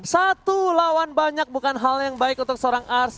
satu lawan banyak bukan hal yang baik untuk seorang ars